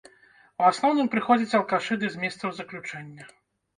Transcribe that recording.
У асноўным прыходзяць алкашы ды з месцаў заключэння.